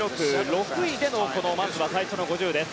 ６位でのまずは最初の５０です。